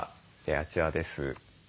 あちらです。